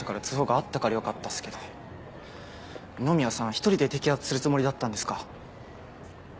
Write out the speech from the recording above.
１人で摘発するつもりだったんですか？